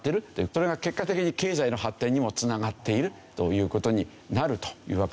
それが結果的に経済の発展にもつながっているという事になるというわけですね。